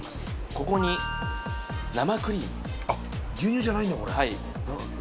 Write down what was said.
ここに生クリームあっ牛乳じゃないんだこれはい